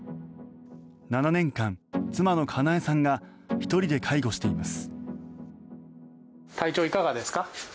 ７年間、妻の香奈恵さんが１人で介護しています。